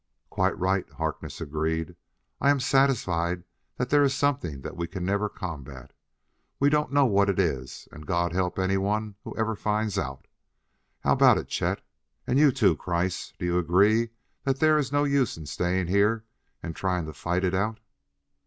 "Quite right," Harkness agreed. "I am satisfied that there is something there we can never combat. We don't know what it is, and God help anyone who ever finds out. How about it, Chet? And you, too, Kreiss? Do you agree that there is no use in staying here and trying to fight it out?"